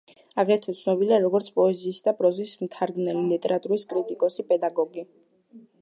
აგრეთვე ცნობილია, როგორც პოეზიის და პროზის მთარგმნელი, ლიტერატურის კრიტიკოსი, პედაგოგი.